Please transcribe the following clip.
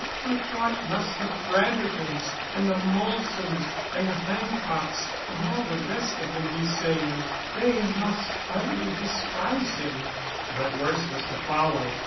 But what must the Brandertons, and the Molsons, and the Hancocks, and all the rest of them, be saying? They must utterly despise him. But worse was to follow.